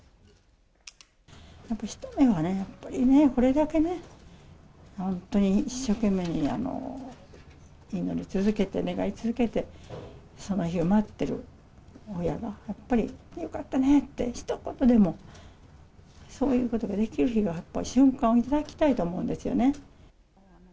一目でもね、やっぱりね、これだけね、本当に一生懸命に祈り続けて、願い続けて、その日を待ってる親がやっぱりよかったねって、ひと言でも、そういうことができる日が、瞬間を頂きたいと思うんですよね。